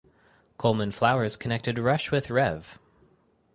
Coleman Flowers connected Rush with Rev.